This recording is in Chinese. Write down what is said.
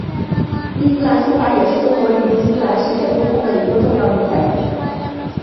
伊斯兰书法也是中国与伊斯兰世界沟通的一个重要纽带。